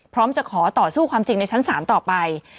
พร้อมจะขอต่อสู้ความจริงในชั้นศาลต่อไป